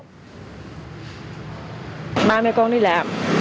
các đối tượng đã đi làm